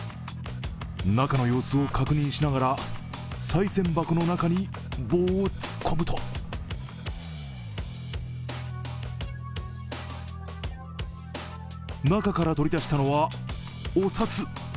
中の様子を確認しながらさい銭箱の中に棒を突っ込むと中から取りだしたのは、お札。